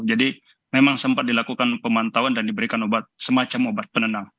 jadi memang sempat dilakukan pemantauan dan diberikan semacam obat penenang